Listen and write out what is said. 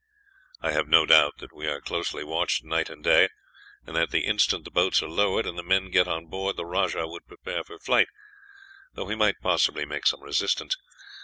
I have no doubt that we are closely watched night and day, and that the instant the boats are lowered, and the men get on board, the rajah would prepare for flight, though he might possibly make some resistance.